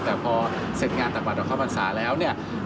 แต่พอเสร็จงานต่างวัดออกข้าวพรรษาแล้วเนี่ย